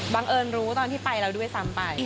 บังเอิญรู้ที่ไปอยู่ด้วยซ้ำไป